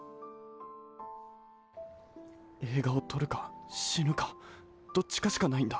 えいがをとるかしぬかどっちかしかないんだ。